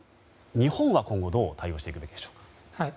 日本は今後どう対応していくべきでしょうか。